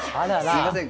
すいません